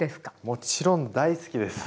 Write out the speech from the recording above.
もちろん大好きです。